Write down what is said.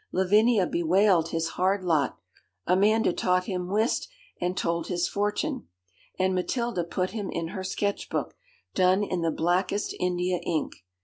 Lavinia bewailed his hard lot, Amanda taught him whist and told his fortune, and Matilda put him in her sketch book done in the blackest India ink.